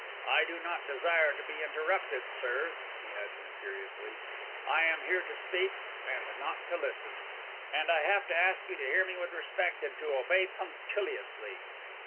I do not desire to be interrupted, sir," he added imperiously; "I am here to speak, and not to listen; and I have to ask you to hear me with respect, and to obey punctiliously.